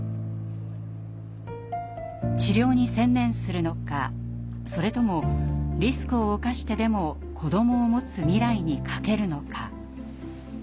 治療に専念するのかそれともリスクを冒してでも子どもをもつ未来にかけるのか。